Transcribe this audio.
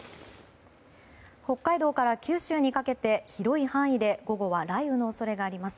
北海道から九州にかけて広い範囲で午後は雷雨の恐れがあります。